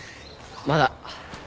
まだ。